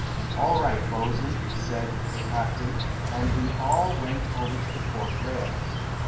"All right, bo'sun," said the captain, and we all went over to the port rail.